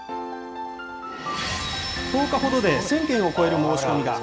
１０日ほどで１０００件を超える申し込みが。